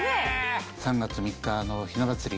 ３月３日のひな祭り